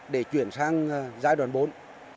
để chuyển sang giai đoạn bốn